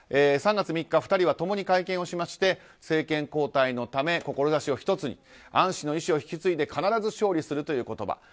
３月３日、２人は共に会見をしまして政権交代のため志を１つにアン氏の意思を引き継いで必ず勝利するという言葉。